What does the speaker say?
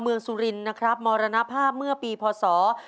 สุรินนะครับมรณภาพเมื่อปีพศ๒๕๖